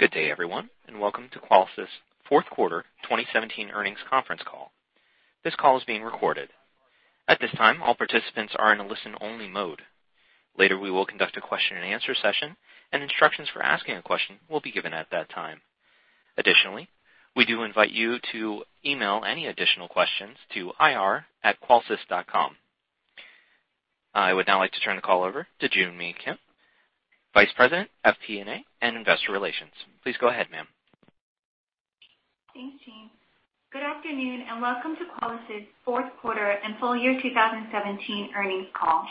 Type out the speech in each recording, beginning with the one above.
Good day, everyone, welcome to Qualys' fourth quarter 2017 earnings conference call. This call is being recorded. At this time, all participants are in a listen-only mode. Later, we will conduct a question and answer session, and instructions for asking a question will be given at that time. Additionally, we do invite you to email any additional questions to ir@qualys.com. I would now like to turn the call over to Joo Mi Kim, Vice President of FP&A and Investor Relations. Please go ahead, ma'am. Thanks, team. Good afternoon, welcome to Qualys' fourth quarter and full year 2017 earnings call.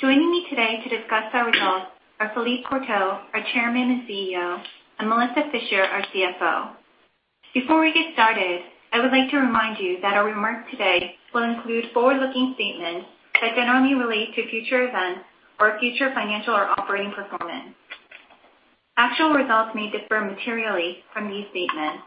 Joining me today to discuss our results are Philippe Courtot, our Chairman and CEO, and Melissa Fisher, our CFO. Before we get started, I would like to remind you that our remarks today will include forward-looking statements that generally relate to future events or future financial or operating performance. Actual results may differ materially from these statements.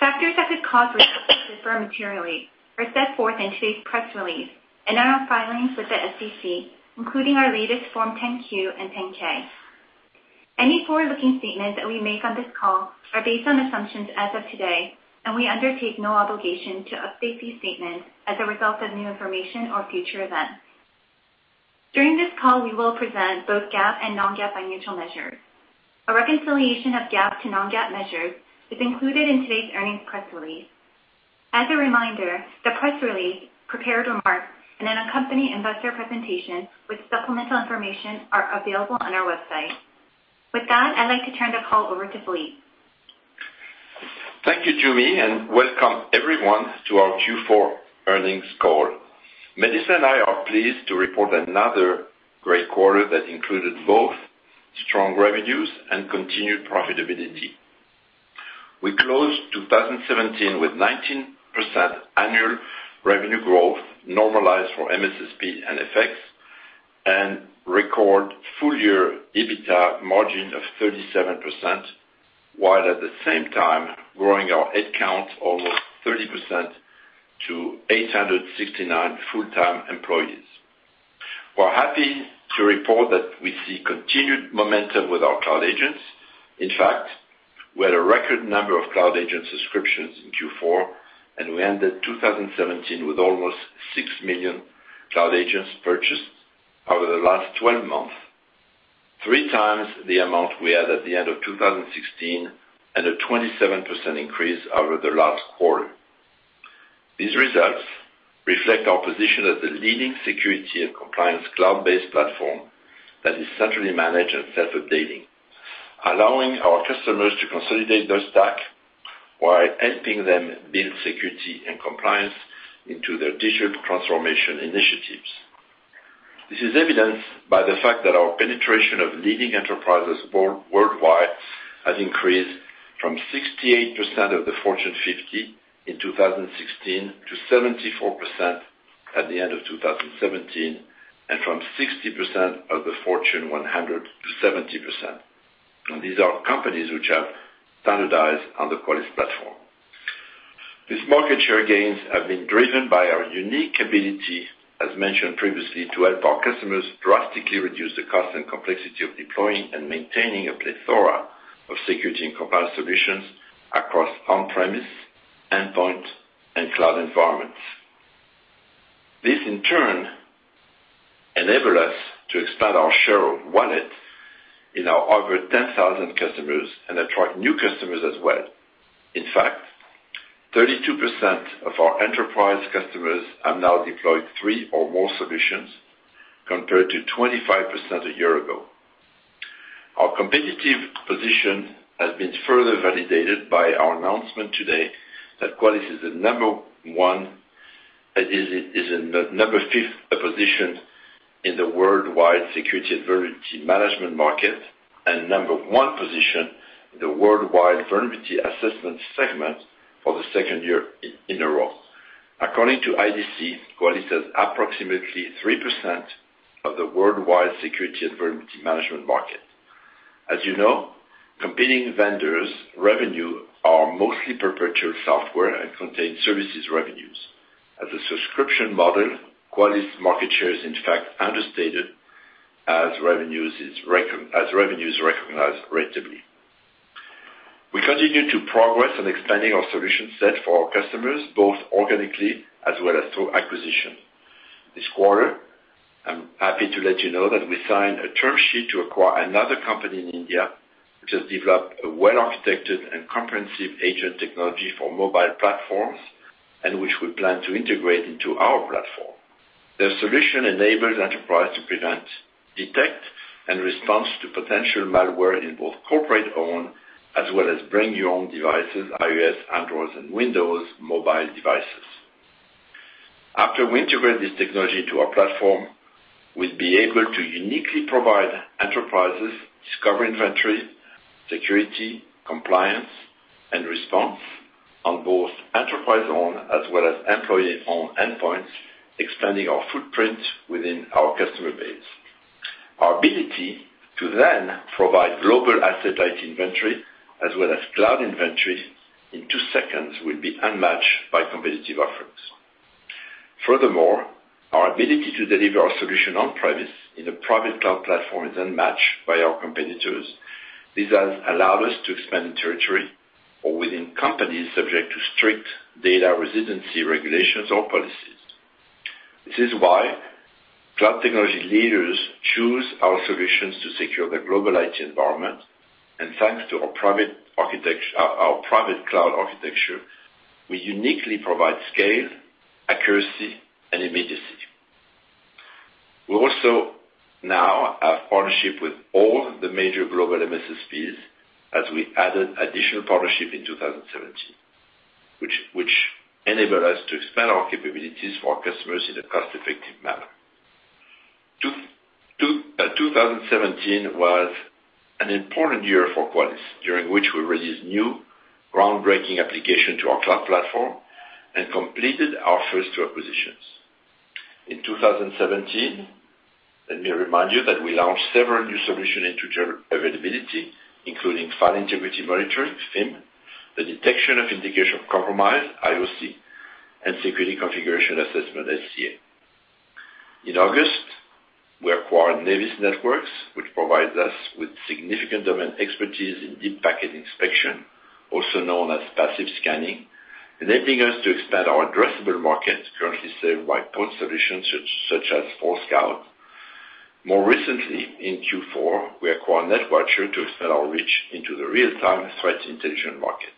Factors that could cause results to differ materially are set forth in today's press release and in our filings with the SEC, including our latest Form 10-Q and 10-K. Any forward-looking statements that we make on this call are based on assumptions as of today, and we undertake no obligation to update these statements as a result of new information or future events. During this call, we will present both GAAP and non-GAAP financial measures. A reconciliation of GAAP to non-GAAP measures is included in today's earnings press release. As a reminder, the press release, prepared remarks, and an accompanying investor presentation with supplemental information are available on our website. With that, I'd like to turn the call over to Philippe. Thank you, Joo Mi, welcome everyone to our Q4 earnings call. Melissa and I are pleased to report another great quarter that included both strong revenues and continued profitability. We closed 2017 with 19% annual revenue growth normalized for MSSP and FX, and record full-year EBITDA margin of 37%, while at the same time growing our head count almost 30% to 869 full-time employees. We're happy to report that we see continued momentum with our Cloud Agents. In fact, we had a record number of Cloud Agent subscriptions in Q4, and we ended 2017 with almost 6 million Cloud Agents purchased over the last 12 months, 3 times the amount we had at the end of 2016, and a 27% increase over the last quarter. These results reflect our position as the leading security and compliance cloud-based platform that is centrally managed and self-updating, allowing our customers to consolidate their stack while helping them build security and compliance into their digital transformation initiatives. This is evidenced by the fact that our penetration of leading enterprises worldwide has increased from 68% of the Fortune 50 in 2016 to 74% at the end of 2017, and from 60% of the Fortune 100 to 70%. These are companies which have standardized on the Qualys platform. These market share gains have been driven by our unique ability, as mentioned previously, to help our customers drastically reduce the cost and complexity of deploying and maintaining a plethora of security and compliance solutions across on-premise, endpoint, and cloud environments. This, in turn, enable us to expand our share of wallet in our over 10,000 customers and attract new customers as well. In fact, 32% of our enterprise customers have now deployed three or more solutions, compared to 25% a year ago. Our competitive position has been further validated by our announcement today that Qualys is in number fifth position in the worldwide security and vulnerability management market, and number one position in the worldwide vulnerability assessment segment for the second year in a row. According to IDC, Qualys has approximately 3% of the worldwide security and vulnerability management market. As you know, competing vendors' revenue are mostly perpetual software and contain services revenues. As a subscription model, Qualys market share is, in fact, understated as revenues recognized ratably. We continue to progress in expanding our solution set for our customers, both organically as well as through acquisition. This quarter, I'm happy to let you know that we signed a term sheet to acquire another company in India which has developed a well-architected and comprehensive agent technology for mobile platforms, and which we plan to integrate into our platform. Their solution enables enterprise to prevent, detect, and respond to potential malware in both corporate-owned as well as bring-your-own devices, iOS, Android, and Windows mobile devices. After we integrate this technology into our platform, we'll be able to uniquely provide enterprises discovery inventory, security, compliance, and response on both enterprise-owned as well as employee-owned endpoints, expanding our footprint within our customer base. Our ability to then provide global asset IT inventory as well as cloud inventory in two seconds will be unmatched by competitive offerings. Furthermore, our ability to deliver our solution on-premise in a private cloud platform is unmatched by our competitors. This has allowed us to expand in territory or within companies subject to strict data residency regulations or policies. This is why cloud technology leaders choose our solutions to secure their global IT environment. Thanks to our private cloud architecture, we uniquely provide scale, accuracy, and immediacy. We also now have partnership with all the major global MSPs as we added additional partnership in 2017, which enable us to expand our capabilities for our customers in a cost-effective manner. 2017 was an important year for Qualys, during which we released new groundbreaking application to our cloud platform and completed our first two acquisitions. In 2017, let me remind you that we launched several new solution into availability, including File Integrity Monitoring, FIM, the detection of indication of compromise, IOC, and Security Configuration Assessment, SCA. In August, we acquired Nevis Networks, which provides us with significant domain expertise in deep packet inspection, also known as passive scanning, enabling us to expand our addressable market currently served by point solutions such as ForeScout. More recently in Q4, we acquired NetWatcher to expand our reach into the real-time threat intelligence market.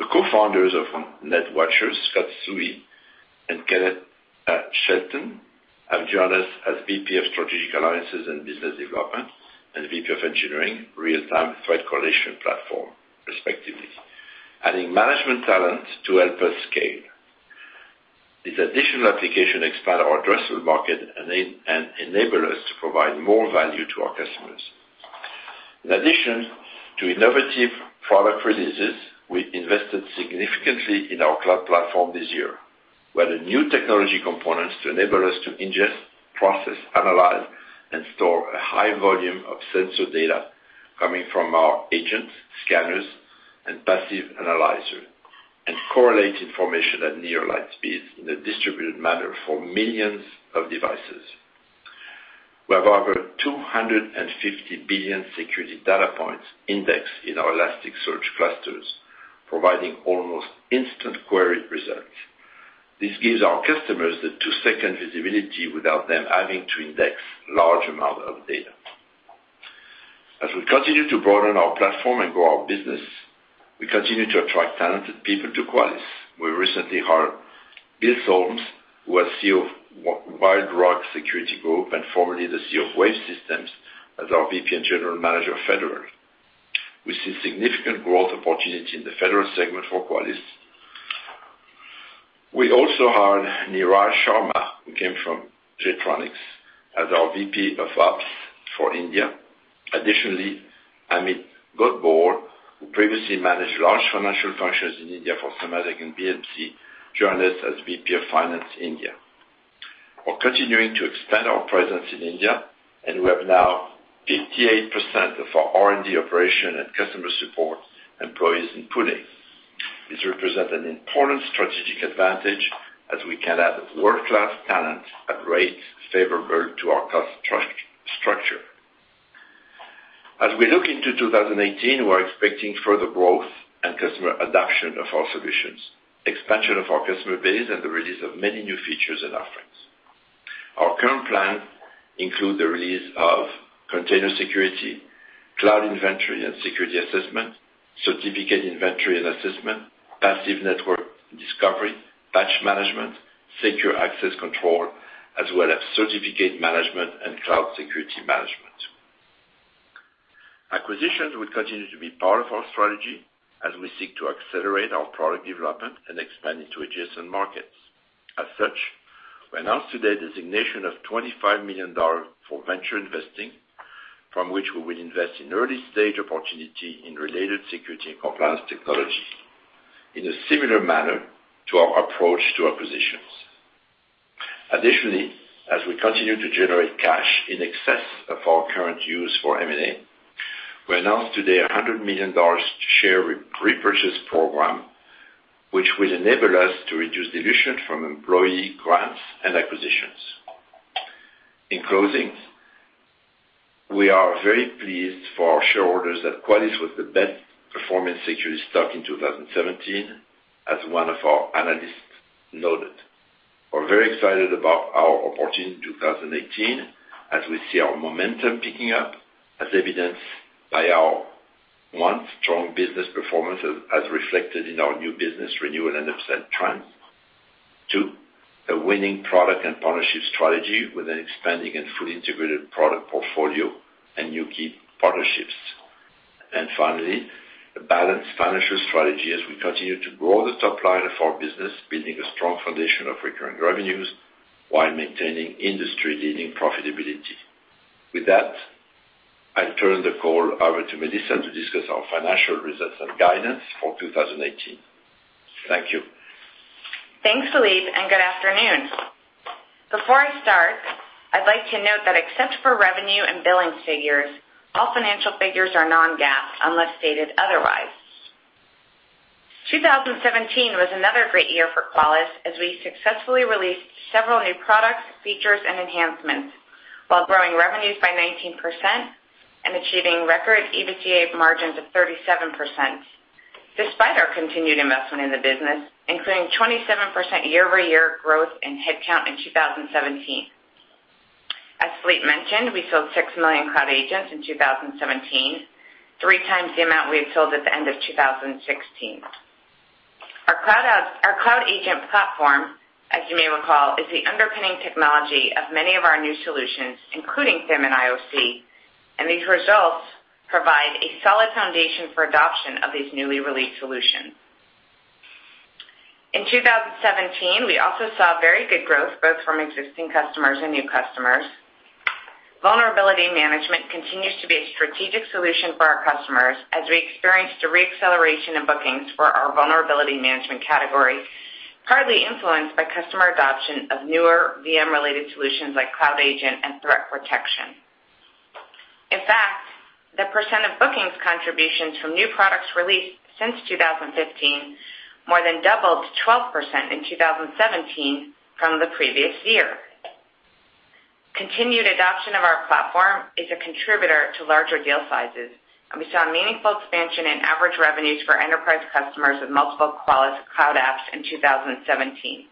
The co-founders of NetWatcher, Scott Suhy and Kenneth Shelton, have joined us as VP of strategic alliances and business development and VP of engineering, real-time threat correlation platform, respectively, adding management talent to help us scale. These additional applications expand our addressable market and enable us to provide more value to our customers. In addition to innovative product releases, we invested significantly in our cloud platform this year, where the new technology components to enable us to ingest, process, analyze, and store a high volume of sensor data coming from our agents, scanners, and passive analyzer and correlate information at near light speeds in a distributed manner for millions of devices. We have over 250 billion security data points indexed in our Elasticsearch clusters, providing almost instant query results. This gives our customers the two-second visibility without them having to index large amount of data. As we continue to broaden our platform and grow our business, we continue to attract talented people to Qualys. We recently hired Bill Solms, who was CEO of WildRock Security Group and formerly the CEO of Wave Systems, as our VP and general manager of federal. We see significant growth opportunity in the federal segment for Qualys. We also hired Niraj Sharma, who came from Jetronics, as our VP of ops for India. Additionally, Amit Godbole, who previously managed large financial functions in India for Symantec and BMC, joined us as VP of finance, India. We're continuing to expand our presence in India, and we have now 58% of our R&D operation and customer support employees in Pune. This represent an important strategic advantage as we can add world-class talent at rates favorable to our cost structure. As we look into 2018, we're expecting further growth and customer adoption of our solutions, expansion of our customer base, and the release of many new features and offerings. Our current plan include the release of Container Security, Cloud Inventory and Cloud Security Assessment, Certificate Inventory and Certificate Assessment, Passive Network Sensor, Patch Management, secure access control, as well as certificate management and cloud security management. Acquisitions will continue to be part of our strategy as we seek to accelerate our product development and expand into adjacent markets. As such, we announce today designation of $25 million for venture investing, from which we will invest in early-stage opportunity in related security and compliance technologies in a similar manner to our approach to acquisitions. Additionally, as we continue to generate cash in excess of our current use for M&A, we announce today $100 million to share repurchase program, which will enable us to reduce dilution from employee grants and acquisitions. In closing, we are very pleased for our shareholders that Qualys was the best performing security stock in 2017, as one of our analysts noted. We're very excited about our opportunity in 2018 as we see our momentum picking up, as evidenced by our, one, strong business performance as reflected in our new business renewal and upsell trend. Two, a winning product and partnership strategy with an expanding and fully integrated product portfolio and new key partnerships. Finally, a balanced financial strategy as we continue to grow the top line of our business, building a strong foundation of recurring revenues while maintaining industry-leading profitability. With that, I turn the call over to Melissa to discuss our financial results and guidance for 2018. Thank you. Thanks, Philippe, and good afternoon. Before I start, I'd like to note that except for revenue and billing figures, all financial figures are non-GAAP unless stated otherwise. 2017 was another great year for Qualys as we successfully released several new products, features and enhancements, while growing revenues by 19% and achieving record EBITDA margins of 37%, despite our continued investment in the business, including 27% year-over-year growth in headcount in 2017. As Philippe mentioned, we sold 6 million Cloud Agents in 2017, 3 times the amount we had sold at the end of 2016. Our Cloud Agent platform, as you may recall, is the underpinning technology of many of our new solutions, including FIM and IOC, and these results provide a solid foundation for adoption of these newly released solutions. In 2017, we also saw very good growth both from existing customers and new customers. Vulnerability Management continues to be a strategic solution for our customers as we experienced a re-acceleration in bookings for our Vulnerability Management category, partly influenced by customer adoption of newer VM-related solutions like Cloud Agent and Threat Protection. In fact, the % of bookings contributions from new products released since 2015 more than doubled to 12% in 2017 from the previous year. Continued adoption of our platform is a contributor to larger deal sizes, and we saw meaningful expansion in average revenues for enterprise customers with multiple Qualys Cloud apps in 2017.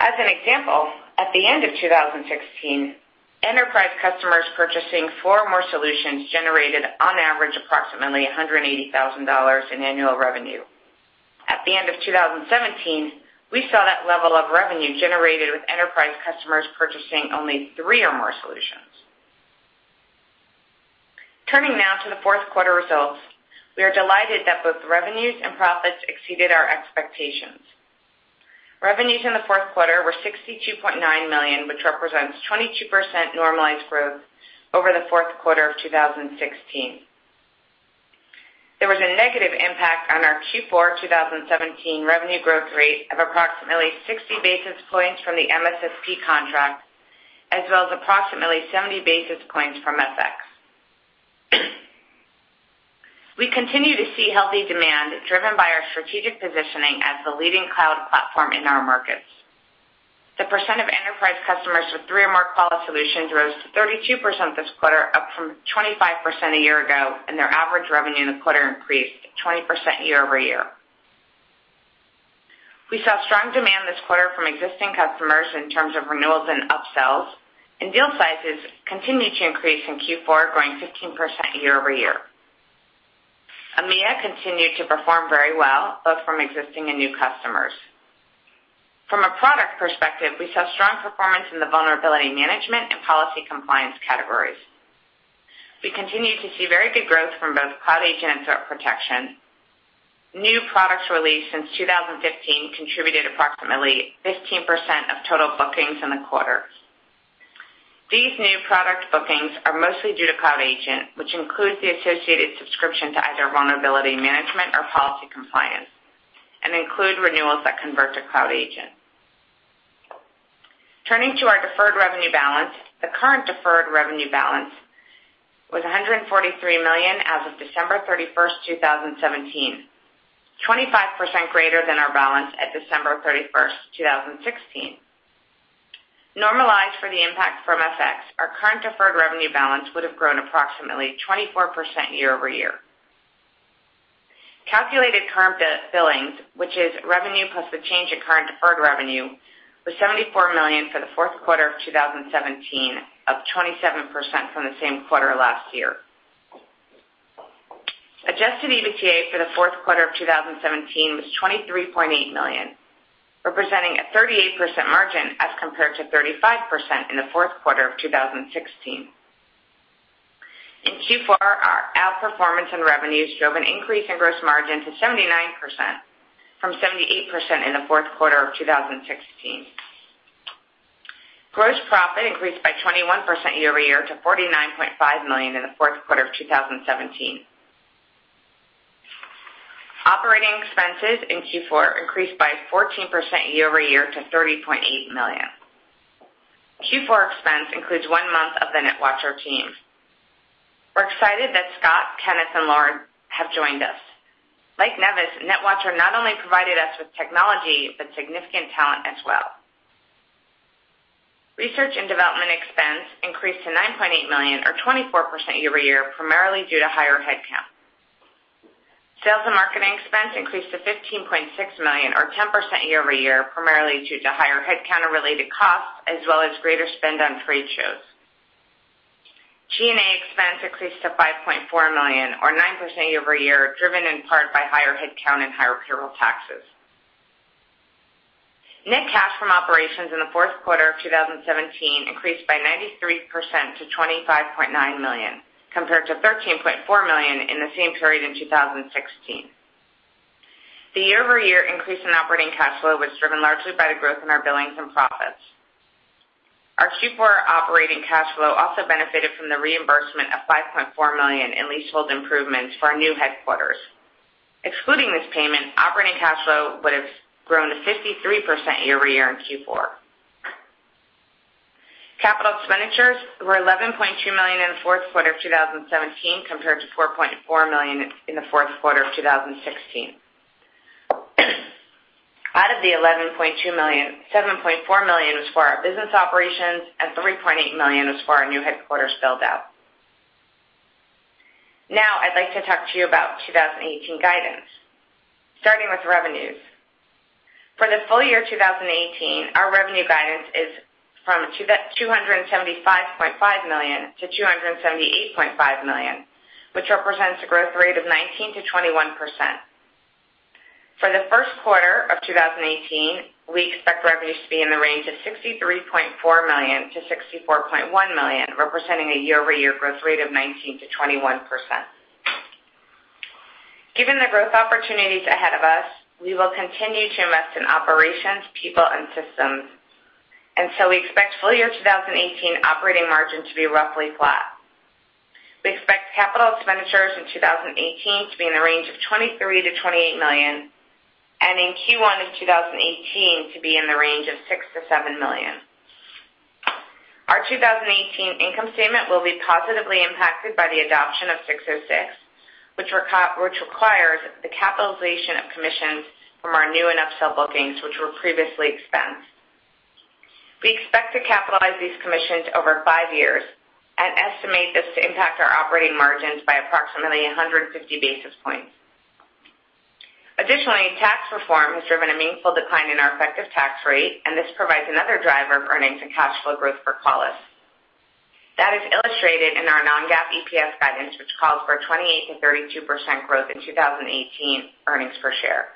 As an example, at the end of 2016, enterprise customers purchasing 4 or more solutions generated, on average, approximately $180,000 in annual revenue. At the end of 2017, we saw that level of revenue generated with enterprise customers purchasing only 3 or more solutions. Turning now to the fourth quarter results. We are delighted that both revenues and profits exceeded our expectations. Revenues in the fourth quarter were $62.9 million, which represents 22% normalized growth over the fourth quarter of 2016. There was a negative impact on our Q4 2017 revenue growth rate of approximately 60 basis points from the MSSP contract, as well as approximately 70 basis points from FX. We continue to see healthy demand driven by our strategic positioning as the leading cloud platform in our markets. The % of enterprise customers with 3 or more Qualys solutions rose to 32% this quarter, up from 25% a year ago, and their average revenue in the quarter increased 20% year-over-year. We saw strong demand this quarter from existing customers in terms of renewals and upsells, and deal sizes continued to increase in Q4, growing 15% year-over-year. EMEA continued to perform very well, both from existing and new customers. From a product perspective, we saw strong performance in the Vulnerability Management and Policy Compliance categories. We continue to see very good growth from both Cloud Agent and Threat Protection. New products released since 2015 contributed approximately 15% of total bookings in the quarter. These new product bookings are mostly due to Cloud Agent, which includes the associated subscription to either Vulnerability Management or Policy Compliance, and include renewals that convert to Cloud Agent. Turning to our deferred revenue balance. The current deferred revenue balance was $143 million as of December 31st, 2017, 25% greater than our balance at December 31st, 2016. Normalized for the impact from FX, our current deferred revenue balance would have grown approximately 24% year-over-year. Calculated current billings, which is revenue plus the change in current deferred revenue, was $74 million for the fourth quarter of 2017, up 27% from the same quarter last year. Adjusted EBITDA for the fourth quarter of 2017 was $23.8 million, representing a 38% margin as compared to 35% in the fourth quarter of 2016. In Q4, our outperformance in revenues drove an increase in gross margin to 79%, from 78% in the fourth quarter of 2016. Gross profit increased by 21% year-over-year to $49.5 million in the fourth quarter of 2017. Operating expenses in Q4 increased by 14% year-over-year to $30.8 million. Q4 expense includes one month of the NetWatcher team. We're excited that Scott, Kenneth, and Lauren have joined us. Like Nevis, NetWatcher not only provided us with technology, but significant talent as well. Research and development expense increased to $9.8 million or 24% year-over-year, primarily due to higher headcount. Sales and marketing expense increased to $15.6 million or 10% year-over-year, primarily due to higher headcount and related costs, as well as greater spend on trade shows. G&A expense increased to $5.4 million or 9% year-over-year, driven in part by higher headcount and higher payroll taxes. Net cash from operations in the fourth quarter of 2017 increased by 93% to $25.9 million, compared to $13.4 million in the same period in 2016. The year-over-year increase in operating cash flow was driven largely by the growth in our billings and profits. Our Q4 operating cash flow also benefited from the reimbursement of $5.4 million in leasehold improvements for our new headquarters. Excluding this payment, operating cash flow would have grown to 53% year-over-year in Q4. Capital expenditures were $11.2 million in the fourth quarter of 2017 compared to $4.4 million in the fourth quarter of 2016. Out of the $11.2 million, $7.4 million was for our business operations and $3.8 million was for our new headquarters build-out. I'd like to talk to you about 2018 guidance, starting with revenues. For the full year 2018, our revenue guidance is from $275.5 million-$278.5 million, which represents a growth rate of 19%-21%. For the first quarter of 2018, we expect revenues to be in the range of $63.4 million-$64.1 million, representing a year-over-year growth rate of 19%-21%. Given the growth opportunities ahead of us, we will continue to invest in operations, people, and systems, we expect full year 2018 operating margin to be roughly flat. We expect capital expenditures in 2018 to be in the range of $23 million-$28 million, and in Q1 of 2018 to be in the range of $6 million-$7 million. Our 2018 income statement will be positively impacted by the adoption of 606, which requires the capitalization of commissions from our new and upsell bookings, which were previously expensed. We expect to capitalize these commissions over five years and estimate this to impact our operating margins by approximately 150 basis points. Additionally, tax reform has driven a meaningful decline in our effective tax rate, and this provides another driver of earnings and cash flow growth for Qualys. That is illustrated in our non-GAAP EPS guidance, which calls for 8%-32% growth in 2018 earnings per share.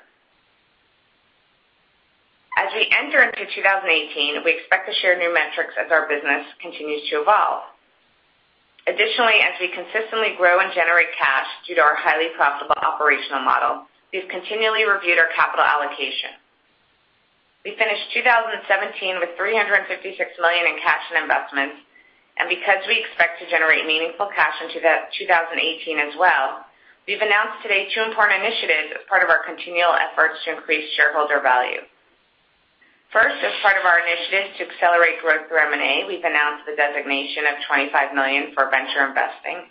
As we enter into 2018, we expect to share new metrics as our business continues to evolve. Additionally, as we consistently grow and generate cash due to our highly profitable operational model, we've continually reviewed our capital allocation. We finished 2017 with $356 million in cash and investments, and because we expect to generate meaningful cash into 2018 as well, we've announced today two important initiatives as part of our continual efforts to increase shareholder value. First, as part of our initiatives to accelerate growth through M&A, we've announced the designation of $25 million for venture investing.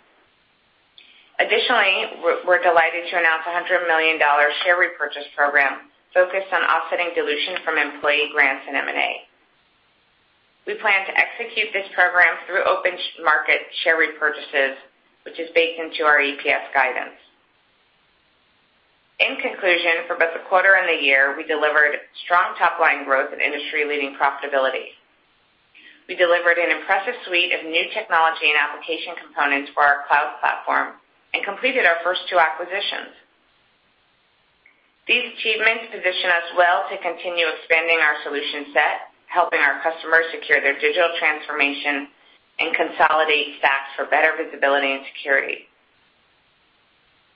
Additionally, we're delighted to announce a $100 million share repurchase program focused on offsetting dilution from employee grants and M&A. We plan to execute this program through open market share repurchases, which is baked into our EPS guidance. In conclusion, for both the quarter and the year, we delivered strong top-line growth and industry-leading profitability. We delivered an impressive suite of new technology and application components for our cloud platform and completed our first two acquisitions. These achievements position us well to continue expanding our solution set, helping our customers secure their digital transformation, and consolidate stacks for better visibility and security.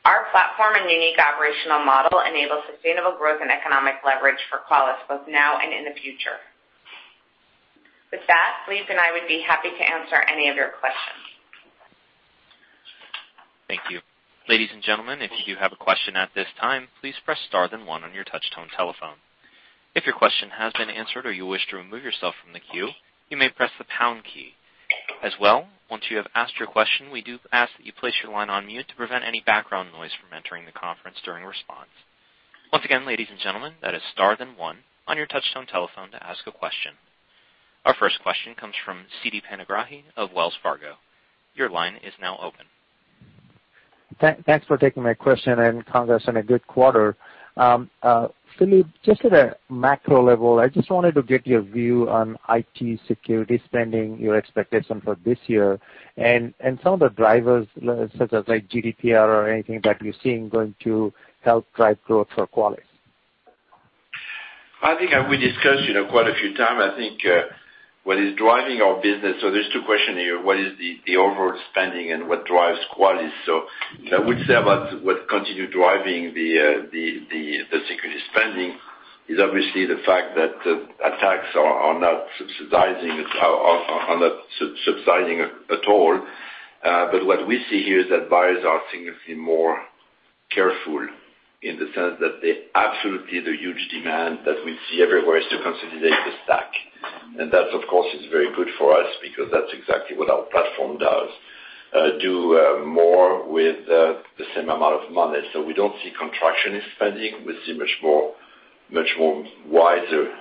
Our platform and unique operational model enable sustainable growth and economic leverage for Qualys both now and in the future. With that, Philippe and I would be happy to answer any of your questions. Thank you. Ladies and gentlemen, if you have a question at this time, please press star then one on your touch-tone telephone. If your question has been answered or you wish to remove yourself from the queue, you may press the pound key. As well, once you have asked your question, we do ask that you place your line on mute to prevent any background noise from entering the conference during response. Once again, ladies and gentlemen, that is star then one on your touch-tone telephone to ask a question. Our first question comes from Siti Panigrahi of Wells Fargo. Your line is now open. Thanks for taking my question and congrats on a good quarter. Philippe, just at a macro level, I just wanted to get your view on IT security spending, your expectation for this year, and some of the drivers such as GDPR or anything that you're seeing going to help drive growth for Qualys. I think we discussed quite a few times. There's two questions here, what is the overall spending and what drives Qualys? I would say about what continue driving the security spending is obviously the fact that attacks are not subsiding at all. What we see here is that buyers are significantly more careful in the sense that absolutely the huge demand that we see everywhere is to consolidate the stack. That, of course, is very good for us because that's exactly what our platform does, do more with the same amount of money. We don't see contraction in spending. We see much more wiser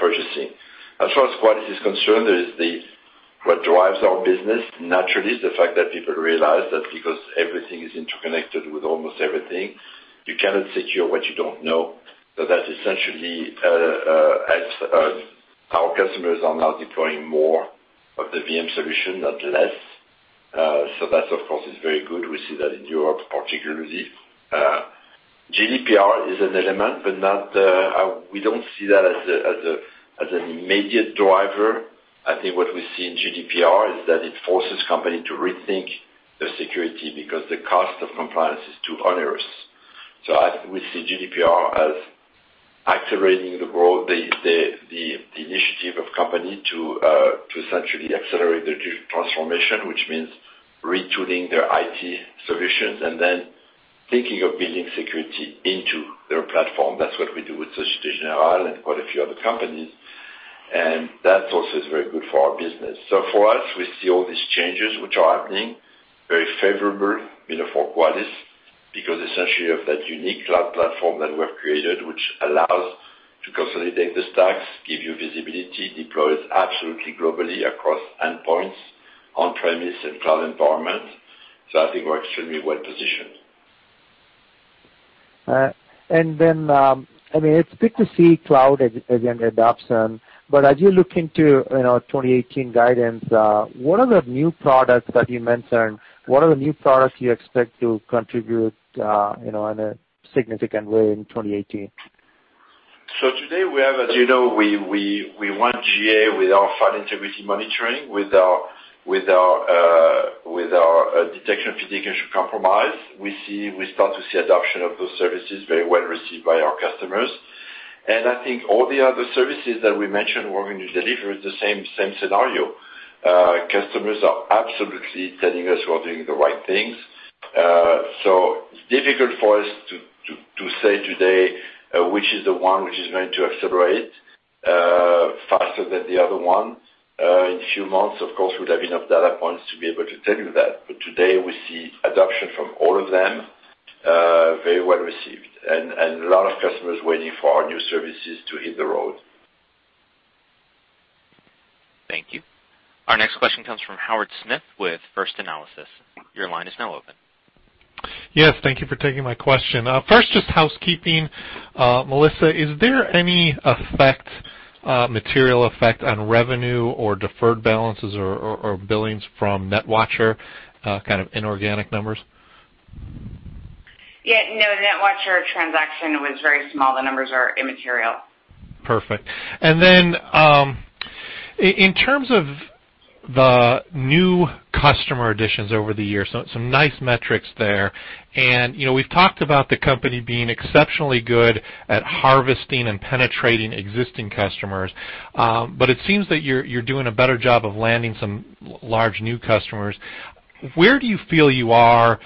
purchasing. As far as Qualys is concerned, what drives our business naturally is the fact that people realize that because everything is interconnected with almost everything, you cannot secure what you don't know. That essentially our customers are now deploying more of the VM solution, not less. That, of course, is very good. We see that in Europe particularly. GDPR is an element, but we don't see that as an immediate driver. I think what we see in GDPR is that it forces company to rethink their security because the cost of compliance is too onerous. I think we see GDPR as accelerating the initiative of company to essentially accelerate their transformation, which means retooling their IT solutions and then thinking of building security into their platform. That's what we do with Societe Generale and quite a few other companies, and that also is very good for our business. For us, we see all these changes which are happening very favorable for Qualys because essentially of that unique cloud platform that we have created, which allows to consolidate the stacks, give you visibility, deploys absolutely globally across endpoints, on-premise and cloud environments. I think we're extremely well-positioned. It's good to see cloud again adoption. As you look into 2018 guidance, what are the new products that you mentioned? What are the new products you expect to contribute in a significant way in 2018? Today we have, as you know, we won GA with our File Integrity Monitoring, with our detection of physical compromise. We start to see adoption of those services very well received by our customers. I think all the other services that we mentioned, we're going to deliver the same scenario. Customers are absolutely telling us we're doing the right things. It's difficult for us to say today, which is the one which is going to accelerate faster than the other one. In a few months, of course, we'd have enough data points to be able to tell you that. Today we see adoption from all of them, very well received and a lot of customers waiting for our new services to hit the road. Thank you. Our next question comes from Howard Smith with First Analysis. Your line is now open. Yes, thank you for taking my question. First, just housekeeping. Melissa, is there any material effect on revenue or deferred balances or billings from NetWatcher, kind of inorganic numbers? no. NetWatcher transaction was very small. The numbers are immaterial. Perfect. In terms of the new customer additions over the year, some nice metrics there. We've talked about the company being exceptionally good at harvesting and penetrating existing customers. It seems that you're doing a better job of landing some large new customers. Where do you feel you are,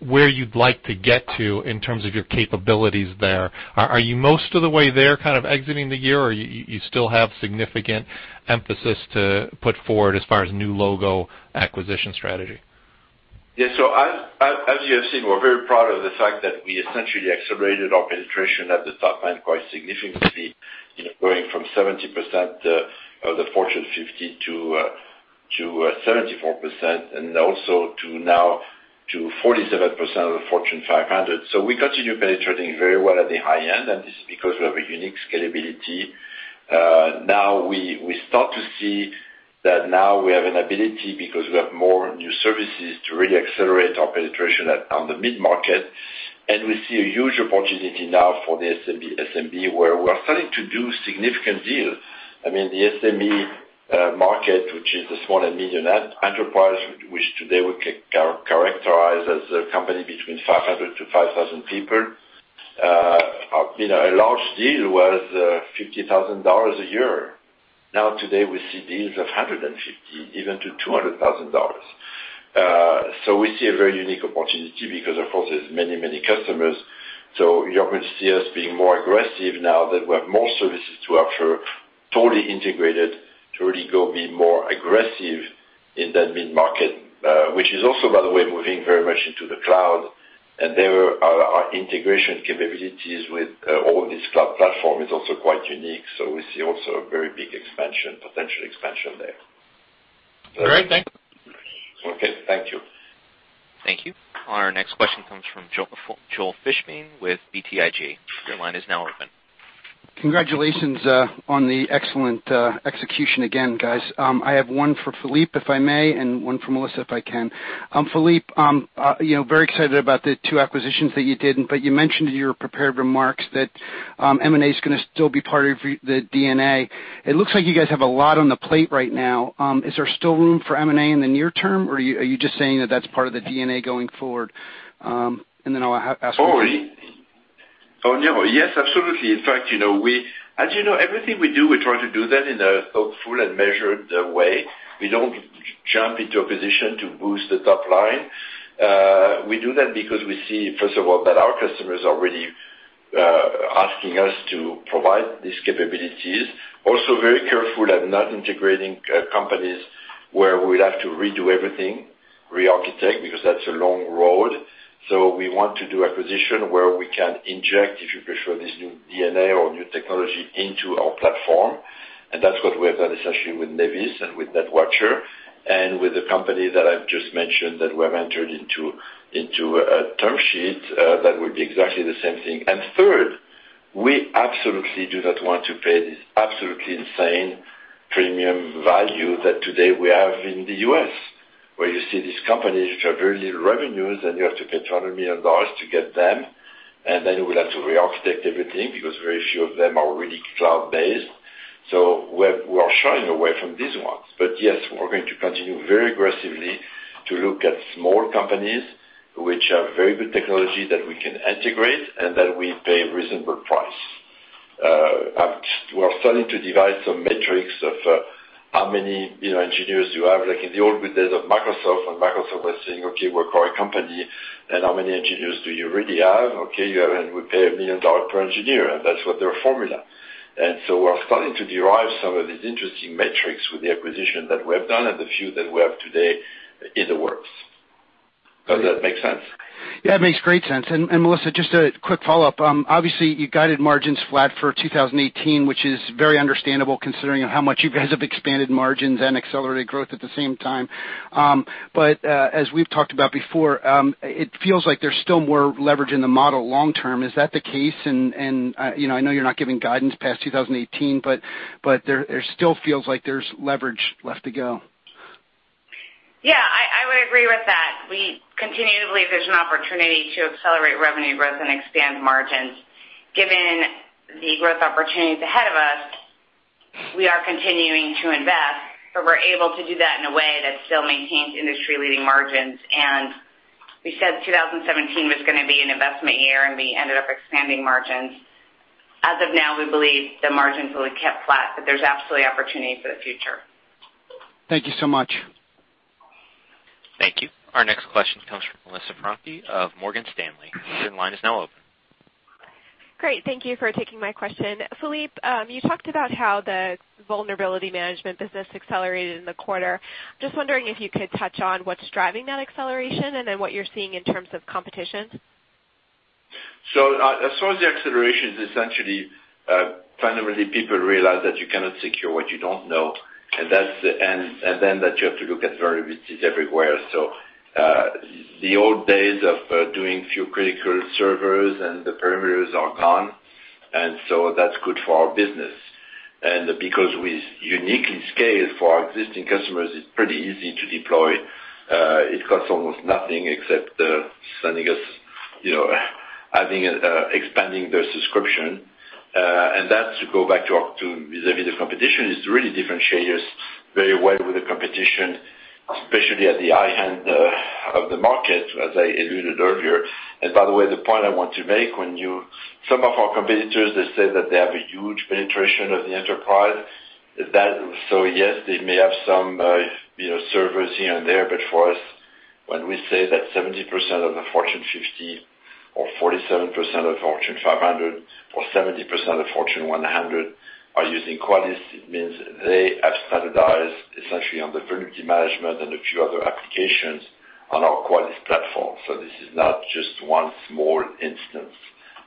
where you'd like to get to in terms of your capabilities there? Are you most of the way there kind of exiting the year, or you still have significant emphasis to put forward as far as new logo acquisition strategy? As you have seen, we're very proud of the fact that we essentially accelerated our penetration at the top line quite significantly, going from 70% of the Fortune 50 to 74% and also to now to 47% of the Fortune 500. We continue penetrating very well at the high end, and this is because we have a unique scalability. We start to see that now we have an ability because we have more new services to really accelerate our penetration on the mid-market. We see a huge opportunity now for the SMB, where we are starting to do significant deals. I mean, the SME market, which is the small and medium enterprise, which today we characterize as a company between 500 to 5,000 people. A large deal was $50,000 a year. Today we see deals of $150, even to $200,000. We see a very unique opportunity because of course, there's many customers. You're going to see us being more aggressive now that we have more services to offer, totally integrated to really go be more aggressive in that mid-market, which is also, by the way, moving very much into the cloud. There our integration capabilities with all these cloud platform is also quite unique. We see also a very big potential expansion there. Great. Thank you. Okay. Thank you. Thank you. Our next question comes from Joel Fishbein with BTIG. Your line is now open. Congratulations on the excellent execution again, guys. I have one for Philippe, if I may, and one for Melissa, if I can. Philippe, very excited about the two acquisitions that you did, but you mentioned in your prepared remarks that M&A is gonna still be part of the DNA. It looks like you guys have a lot on the plate right now. Is there still room for M&A in the near term, or are you just saying that that's part of the DNA going forward? And then I'll ask- Oh, yes, absolutely. In fact, as you know, everything we do, we try to do that in a thoughtful and measured way. We don't jump into a position to boost the top line. We do that because we see, first of all, that our customers are really asking us to provide these capabilities. Also very careful at not integrating companies where we'd have to redo everything, re-architect, because that's a long road. We want to do acquisition where we can inject, if you prefer, this new DNA or new technology into our platform. That's what we have done essentially with Nevis and with NetWatcher and with the company that I've just mentioned that we have entered into a term sheet that would be exactly the same thing. Third, we absolutely do not want to pay this absolutely insane premium value that today we have in the U.S., where you see these companies which have very little revenues, and you have to pay $200 million to get them, and then you will have to re-architect everything because very few of them are really cloud-based. We are shying away from these ones. Yes, we're going to continue very aggressively to look at small companies which have very good technology that we can integrate and that we pay a reasonable price. We are starting to devise some metrics of how many engineers you have, like in the olden days of Microsoft when Microsoft was saying, "Okay, we're a core company, and how many engineers do you really have? Okay, you have, and we pay $1 million per engineer," that's what their formula. We're starting to derive some of these interesting metrics with the acquisition that we have done and the few that we have today in the works. Does that make sense? Yeah, it makes great sense. Melissa, just a quick follow-up. Obviously, you guided margins flat for 2018, which is very understandable considering how much you guys have expanded margins and accelerated growth at the same time. As we've talked about before, it feels like there's still more leverage in the model long term. Is that the case? I know you're not giving guidance past 2018, but there still feels like there's leverage left to go. Yeah. I would agree with that. We continue to believe there's an opportunity to accelerate revenue growth and expand margins. Given the growth opportunities ahead of us, we are continuing to invest, but we're able to do that in a way that still maintains industry-leading margins. We said 2017 was going to be an investment year, and we ended up expanding margins. As of now, we believe the margins will be kept flat, but there's absolutely opportunity for the future. Thank you so much. Thank you. Our next question comes from Melissa Franchi of Morgan Stanley. Your line is now open. Great. Thank you for taking my question. Philippe, you talked about how the vulnerability management business accelerated in the quarter. Just wondering if you could touch on what's driving that acceleration and then what you're seeing in terms of competition. As far as the acceleration is essentially, fundamentally people realize that you cannot secure what you don't know, and then that you have to look at vulnerabilities everywhere. The old days of doing few critical servers and the perimeters are gone, and so that's good for our business. Because we uniquely scale for our existing customers, it's pretty easy to deploy. It costs almost nothing except sending us, having, expanding their subscription. That, to go back to vis-a-vis the competition, is really differentiates very well with the competition, especially at the high end of the market, as I alluded earlier. By the way, the point I want to make, some of our competitors, they say that they have a huge penetration of the enterprise. Yes, they may have some servers here and there, but for us, when we say that 70% of the Fortune 50, or 47% of the Fortune 500 or 70% of Fortune 100 are using Qualys, it means they have standardized essentially on the vulnerability management and a few other applications on our Qualys platform. This is not just one small instance.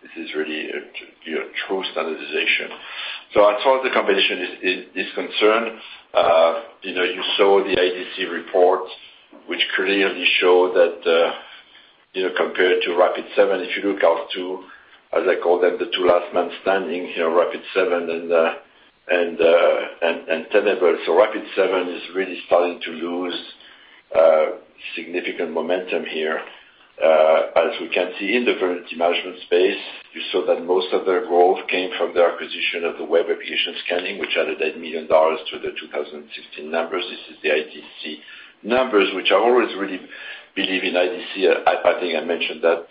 This is really true standardization. As far as the competition is concerned, you saw the IDC report, which clearly showed that, compared to Rapid7, if you look out to, as I call them, the two last man standing, Rapid7 and Tenable. Rapid7 is really starting to lose significant momentum here. As we can see in the vulnerability management space, you saw that most of their growth came from their acquisition of the web application scanning, which added $8 million to the 2016 numbers. This is the IDC numbers, which I always really believe in IDC. I think I mentioned that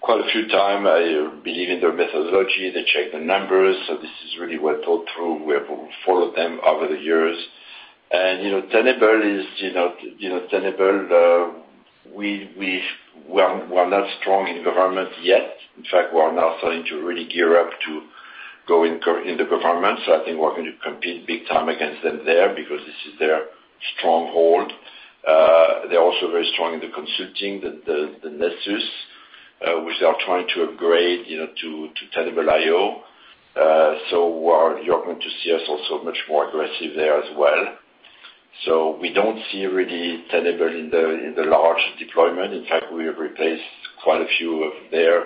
quite a few times. I believe in their methodology. They check the numbers. This is really well thought through. We have followed them over the years. Tenable, we're not strong in government yet. In fact, we are now starting to really gear up to go in the government. I think we're going to compete big time against them there because this is their stronghold. They're also very strong in the consulting, the Nessus, which they are trying to upgrade to Tenable.io. You're going to see us also much more aggressive there as well. We don't see really Tenable in the large deployment. In fact, we have replaced quite a few of their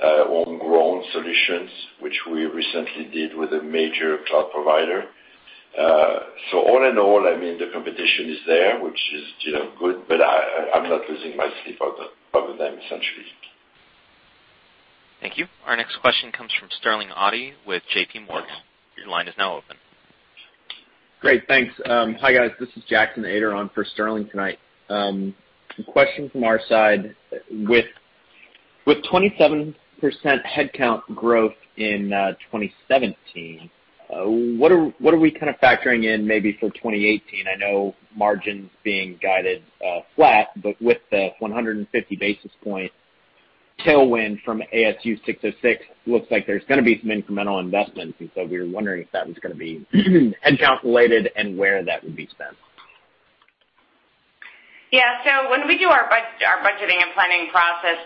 homegrown solutions, which we recently did with a major cloud provider. All in all, the competition is there, which is good, but I'm not losing my sleep over them, essentially. Thank you. Our next question comes from Sterling Auty with JPMorgan. Your line is now open. Great. Thanks. Hi guys. This is Jackson Ader on for Sterling tonight. Question from our side, with 27% headcount growth in 2017, what are we kind of factoring in maybe for 2018? I know margins being guided flat, but with the 150 basis point tailwind from ASC 606, looks like there's going to be some incremental investments. We were wondering if that was going to be headcount related and where that would be spent. Yeah. When we do our budgeting and planning process,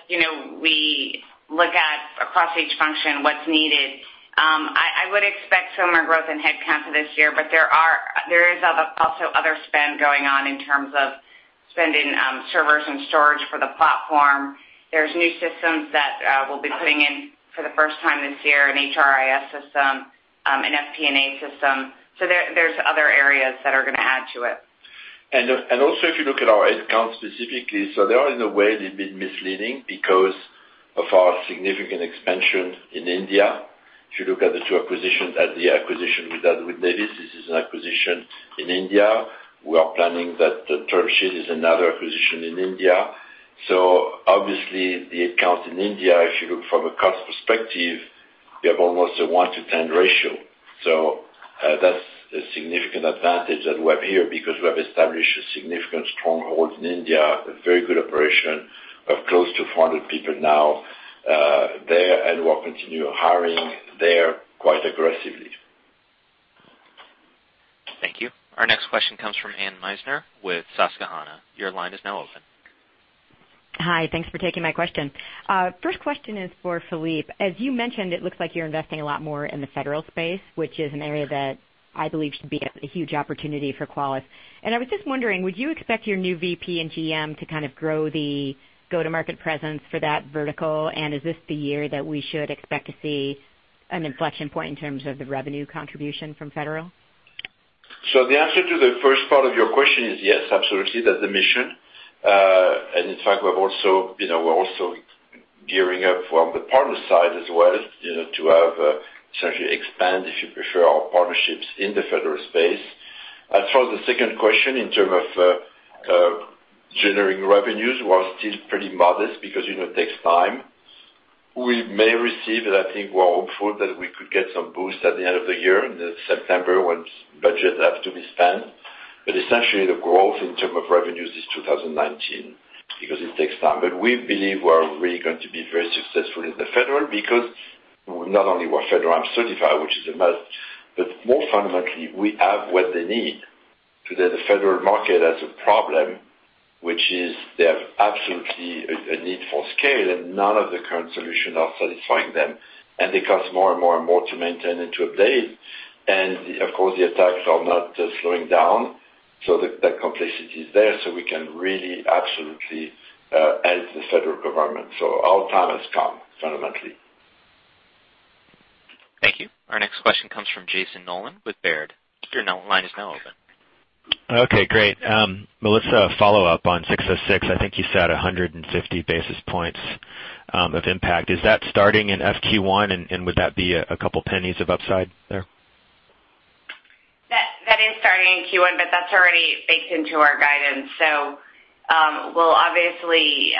we look at across each function what's needed. I would expect some more growth in headcount for this year. There is also other spend going on in terms of spend in servers and storage for the platform. There's new systems that we'll be putting in for the first time this year, an HRIS system, an FP&A system. There's other areas that are going to add to it. Also, if you look at our head count specifically, so they are in a way a bit misleading because of our significant expansion in India. If you look at the two acquisitions, at the acquisition we've done with Nevis, this is an acquisition in India. We are planning that Turvesh is another acquisition in India. Obviously the head count in India, if you look from a cost perspective, we have almost a 1 to 10 ratio. That's a significant advantage that we have here because we have established a significant stronghold in India, a very good operation of close to 400 people now there, and we'll continue hiring there quite aggressively. Thank you. Our next question comes from Anne Meisner with Susquehanna. Your line is now open. Hi. Thanks for taking my question. First question is for Philippe. As you mentioned, it looks like you're investing a lot more in the federal space, which is an area that I believe should be a huge opportunity for Qualys. I was just wondering, would you expect your new VP and GM to kind of grow the go-to-market presence for that vertical? Is this the year that we should expect to see an inflection point in terms of the revenue contribution from federal? The answer to the first part of your question is yes, absolutely. That's the mission. In fact, we're also gearing up from the partner side as well to have essentially expand, if you prefer, our partnerships in the federal space. As for the second question, in terms of generating revenues, we're still pretty modest because it takes time. We may receive, and I think we're hopeful that we could get some boost at the end of the year, in September, once budgets have to be spent. Essentially the growth in terms of revenues is 2019 because it takes time. We believe we're really going to be very successful in the federal because not only we're federal FedRAMP certified, which is a must, but more fundamentally, we have what they need. Today, the federal market has a problem, which is they have absolutely a need for scale and none of the current solutions are satisfying them, and they cost more and more to maintain and to update. Of course, the attacks are not slowing down. That complexity is there so we can really absolutely help the federal government. Our time has come fundamentally. Thank you. Our next question comes from Jayson Nolan with Baird. Your line is now open. Okay, great. Melissa, a follow-up on 606. I think you said 150 basis points of impact. Is that starting in FQ1 and would that be a couple pennies of upside there? That is starting in Q1, but that's already baked into our guidance. We'll obviously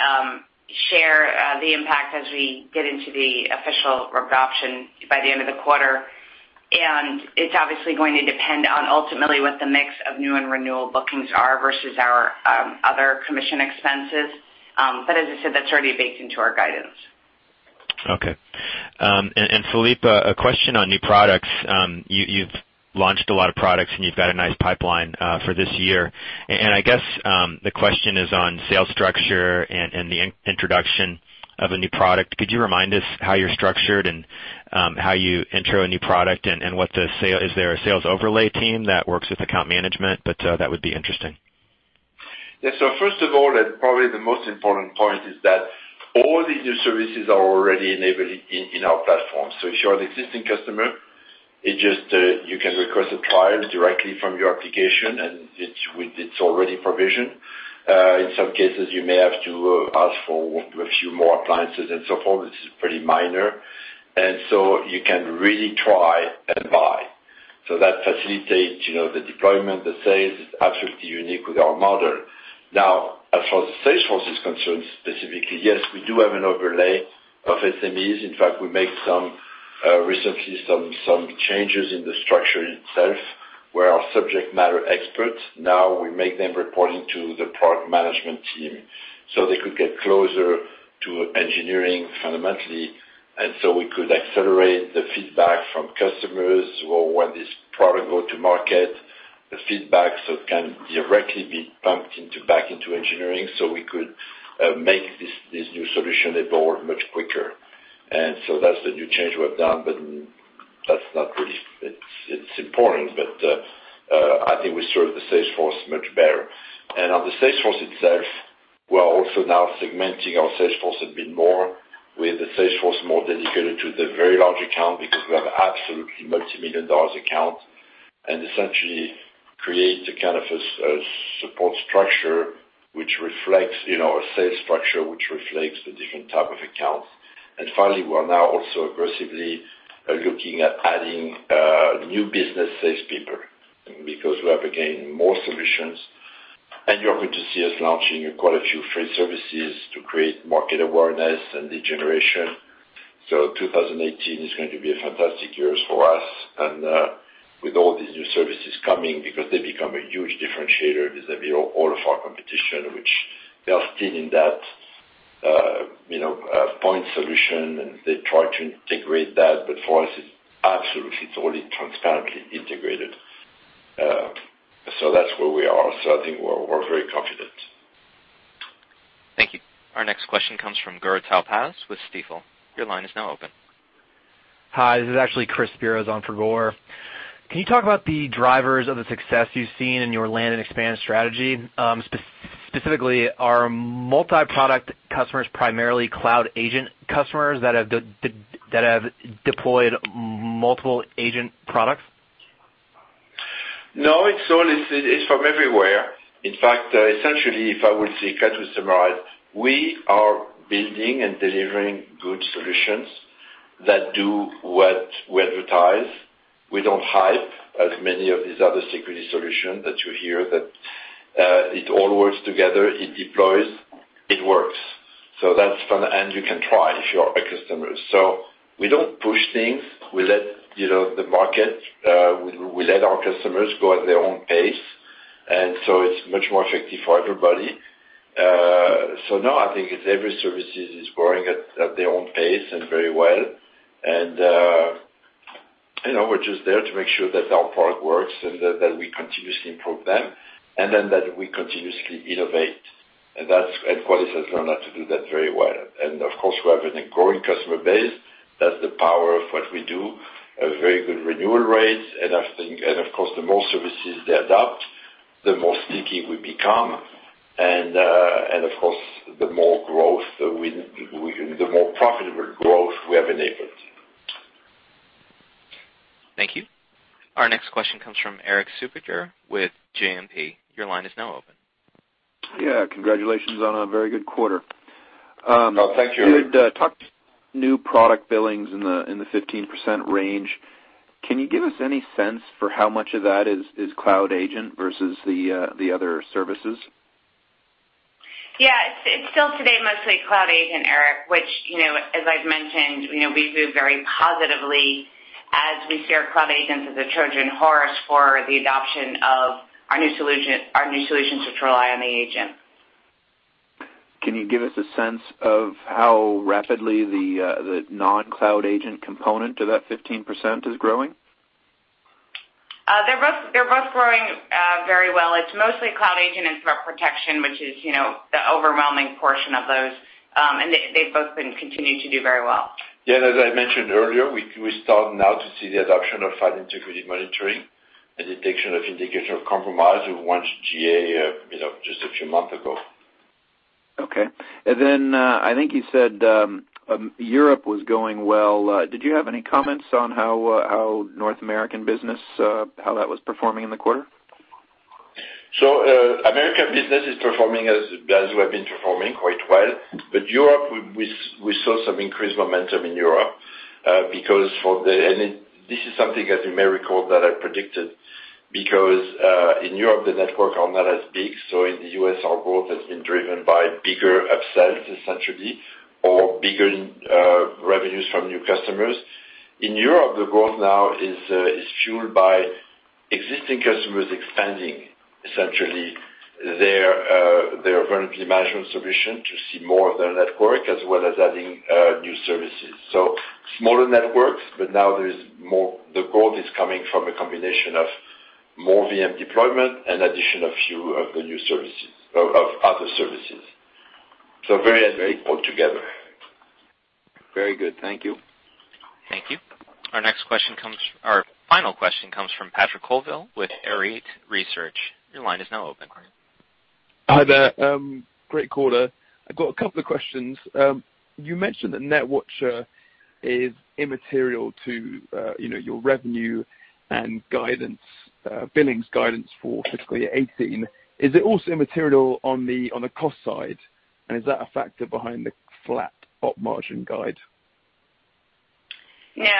share the impact as we get into the official adoption by the end of the quarter. It's obviously going to depend on ultimately what the mix of new and renewal bookings are versus our other commission expenses. As I said, that's already baked into our guidance. Okay. Philippe, a question on new products. You've launched a lot of products and you've got a nice pipeline for this year. I guess the question is on sales structure and the introduction of a new product. Could you remind us how you're structured and how you intro a new product and is there a sales overlay team that works with account management? That would be interesting. Yeah. First of all, probably the most important point is that all the new services are already enabled in our platform. If you are an existing customer, you can request a trial directly from your application, it's already provisioned. In some cases, you may have to ask for a few more appliances and so forth. It's pretty minor. You can really try and buy. That facilitates the deployment, the sales. It's absolutely unique with our model. Now, as far as the sales force is concerned specifically, yes, we do have an overlay of SMEs. In fact, we made recently some changes in the structure itself where our subject matter experts, now we make them reporting to the product management team so they could get closer to engineering fundamentally, so we could accelerate the feedback from customers when this product go to market. The feedback can directly be pumped back into engineering so we could make this new solution on board much quicker. That's the new change we have done, it's important, I think we serve the sales force much better. On the sales force itself, we are also now segmenting our sales force a bit more with the sales force more dedicated to the very large account because we have absolutely multimillion dollars account and essentially create a kind of a support structure which reflects a sales structure, which reflects the different type of accounts. Finally, we are now also aggressively looking at adding new business salespeople because we have, again, more solutions. You're going to see us launching quite a few free services to create market awareness and lead generation. 2018 is going to be a fantastic year for us and with all these new services coming because they become a huge differentiator vis-a-vis all of our competition, which they are still in that point solution, they try to integrate that, for us, it's absolutely, it's already transparently integrated. That's where we are. I think we're very confident. Thank you. Our next question comes from Gur Talpaz with Stifel. Your line is now open. Hi, this is actually Chris Spiros on for Gur. Can you talk about the drivers of the success you've seen in your land and expand strategy? Specifically, are multi-product customers primarily Cloud Agent customers that have deployed multiple agent products? No, it's from everywhere. In fact, essentially, if I were to try to summarize, we are building and delivering good solutions that do what we advertise. We don't hype as many of these other security solutions that you hear. That it all works together, it deploys, it works. That's from-- You can try if you are a customer. We don't push things. We let the market, we let our customers go at their own pace. It's much more effective for everybody. No, I think every service is growing at their own pace and very well. We're just there to make sure that our product works and that we continuously improve them, and then that we continuously innovate. Qualys has learned how to do that very well. Of course, we have a growing customer base. That's the power of what we do. A very good renewal rate. Of course, the more services they adopt, the more sticky we become. Of course, the more profitable growth we have enabled. Thank you. Our next question comes from Erik Suppiger with JMP. Your line is now open. Congratulations on a very good quarter. Thank you. You had talked new product billings in the 15% range. Can you give us any sense for how much of that is Cloud Agent versus the other services? It's still today mostly Cloud Agent, Erik, which as I've mentioned, we view very positively as we see our Cloud Agent as a Trojan horse for the adoption of our new solutions, which rely on the agent. Can you give us a sense of how rapidly the non-Cloud Agent component of that 15% is growing? They're both growing very well. It's mostly Cloud Agent and Threat Protection, which is the overwhelming portion of those. They've both been continuing to do very well. Yeah, as I mentioned earlier, we start now to see the adoption of File Integrity Monitoring and Detection of Indicator of Compromise. We went GA, just a few months ago. Okay. I think you said Europe was going well. Did you have any comments on how North American business, how that was performing in the quarter? American business is performing as we have been performing quite well. Europe, we saw some increased momentum in Europe because this is something that you may recall that I predicted. In Europe, the network are not as big. In the U.S., our growth has been driven by bigger upsells, essentially, or bigger revenues from new customers. In Europe, the growth now is fueled by existing customers expanding, essentially, their vulnerability management solution to see more of their network, as well as adding new services. Smaller networks, but now the growth is coming from a combination of more VM deployment and addition of other services. Very adequate together. Very good. Thank you. Thank you. Our final question comes from Patrick Colville with Arete Research. Your line is now open. Hi there. Great quarter. I've got a couple of questions. You mentioned that NetWatcher is immaterial to your revenue and guidance, billings guidance for fiscal year 2018. Is it also immaterial on the cost side? Is that a factor behind the flat op margin guide? No,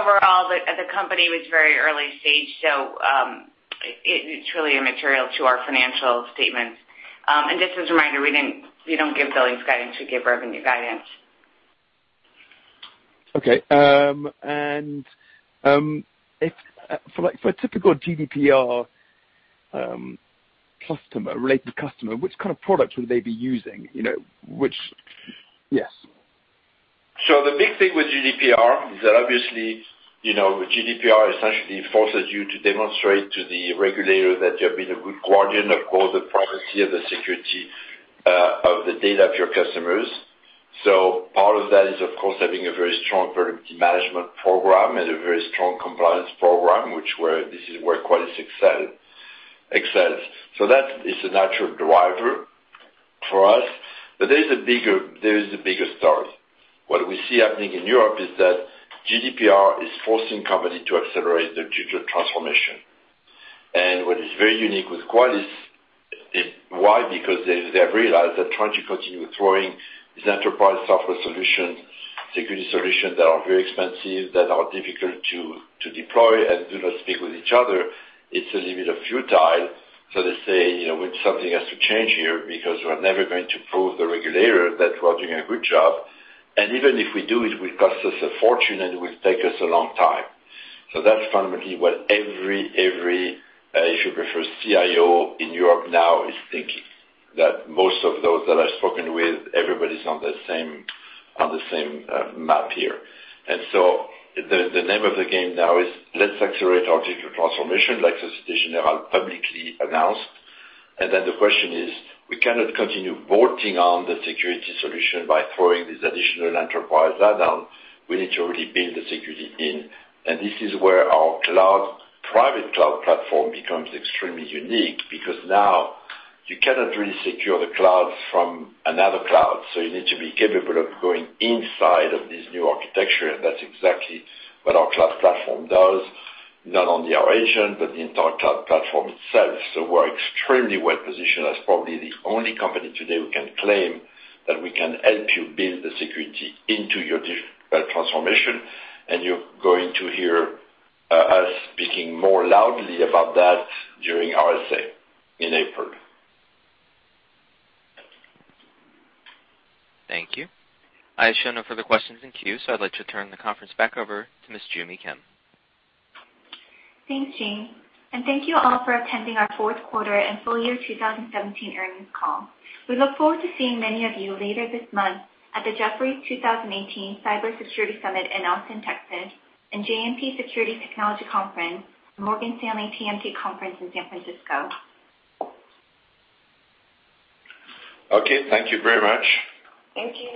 overall, the company was very early stage, so it's truly immaterial to our financial statements. Just as a reminder, we don't give billings guidance, we give revenue guidance. Okay. For a typical GDPR-related customer, which kind of products would they be using? Yes. The big thing with GDPR is that obviously, GDPR essentially forces you to demonstrate to the regulator that you have been a good guardian, of course, of privacy and the security of the data of your customers. Part of that is, of course, having a very strong productivity management program and a very strong compliance program, which this is where Qualys excels. That is a natural driver for us. There is a bigger story. What we see happening in Europe is that GDPR is forcing companies to accelerate their digital transformation. What is very unique with Qualys is why, because they've realized that trying to continue throwing these enterprise software security solutions that are very expensive, that are difficult to deploy and do not speak with each other, it's a little bit futile. They say, "Something has to change here because we're never going to prove to the regulator that we're doing a good job. And even if we do, it will cost us a fortune, and it will take us a long time." That's fundamentally what every, if you prefer, CIO in Europe now is thinking. That most of those that I've spoken with, everybody's on the same map here. The name of the game now is let's accelerate our digital transformation, like Societe Generale publicly announced. The question is, we cannot continue bolting on the security solution by throwing these additional enterprise add-ons. We need to really build the security in. This is where our private cloud platform becomes extremely unique because now you cannot really secure the cloud from another cloud, you need to be capable of going inside of this new architecture, and that's exactly what our cloud platform does, not only our agent, but the entire cloud platform itself. We're extremely well-positioned as probably the only company today who can claim that we can help you build the security into your digital transformation, you're going to hear us speaking more loudly about that during RSA in April. Thank you. I show no further questions in queue, I'd like to turn the conference back over to Ms. Joo Mi Kim. Thanks, Gene. Thank you all for attending our fourth quarter and full year 2017 earnings call. We look forward to seeing many of you later this month at the Jefferies 2018 Cybersecurity Summit in Austin, Texas, JMP Securities Technology Conference, Morgan Stanley TMT Conference in San Francisco. Okay. Thank you very much. Thank you.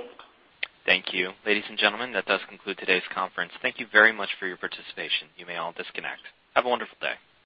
Thank you. Ladies and gentlemen, that does conclude today's conference. Thank you very much for your participation. You may all disconnect. Have a wonderful day.